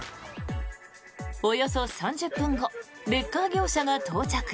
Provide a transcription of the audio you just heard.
およそ３０分後レッカー業者が到着。